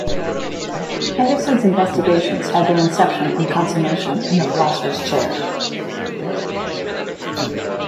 Henderson's investigations had their inception and consummation in the philosopher's chair.